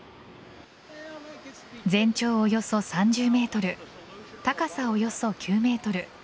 全長、およそ３０ｍ高さ、およそ９ｍ。